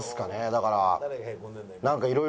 だから。